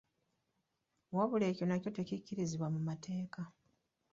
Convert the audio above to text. Wabula ekyo nakyo tekikkirizibwa mu mateeka.